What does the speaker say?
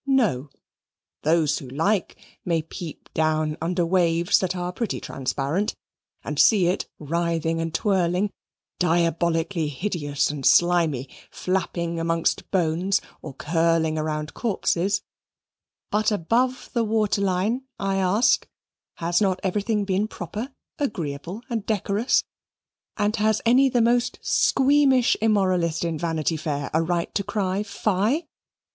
No! Those who like may peep down under waves that are pretty transparent and see it writhing and twirling, diabolically hideous and slimy, flapping amongst bones, or curling round corpses; but above the waterline, I ask, has not everything been proper, agreeable, and decorous, and has any the most squeamish immoralist in Vanity Fair a right to cry fie?